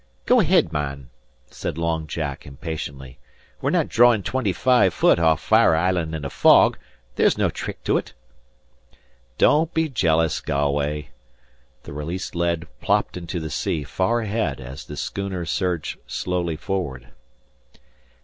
"Go ahead, man," said Long Jack, impatiently. "We're not drawin' twenty five fut off Fire Island in a fog. There's no trick to ut." "Don't be jealous, Galway." The released lead plopped into the sea far ahead as the schooner surged slowly forward.